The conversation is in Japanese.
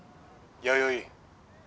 弥生。